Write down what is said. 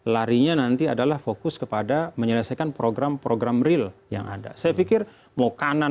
larinya nanti adalah fokus kepada menyelesaikan program program real yang ada saya pikir mau kanan